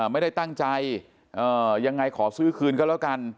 ไม่ได้ตั้งใจยังไงขอซื้อคืนก็แล้วกัน